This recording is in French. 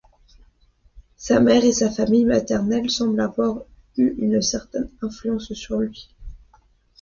Sa mère et sa famille maternelle semblent avoir eu une certaine influence sur lui.